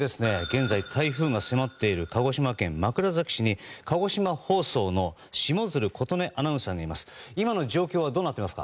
現在、台風が迫っている鹿児島県枕崎市に鹿児島放送の下鶴琴音アナウンサーがいます。